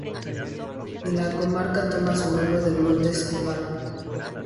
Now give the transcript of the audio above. La comarca toma su nombre del monte Safor.